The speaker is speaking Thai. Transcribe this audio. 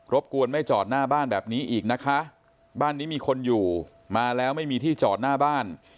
กวนไม่จอดหน้าบ้านแบบนี้อีกนะคะบ้านนี้มีคนอยู่มาแล้วไม่มีที่จอดหน้าบ้าน